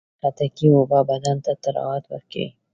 د خټکي اوبه بدن ته طراوت ورکوي.